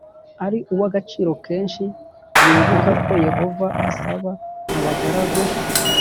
ari uw agaciro kenshi wibuka ko Yehova asaba abagaragu